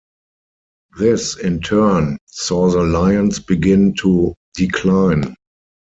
This in turn saw the lions begin to decline.